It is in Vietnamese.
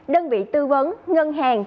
đơn vị tư vấn ngân hàng